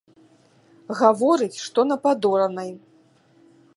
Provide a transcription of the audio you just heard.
Гаворыць, што на падоранай.